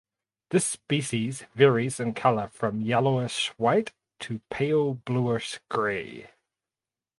This species varies in colour from yellowish white to pale bluish gray.